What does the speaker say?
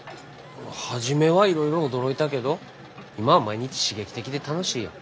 初めはいろいろ驚いたけど今は毎日刺激的で楽しいよ。